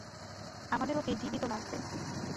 আমাদের ওকে জীবিত লাগবে।